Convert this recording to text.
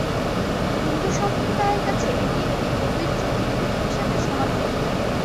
হিন্দু সম্প্রদায়ের কাছে এটি একটি পবিত্র উদ্ভিদ হিসাবে সমাদৃত।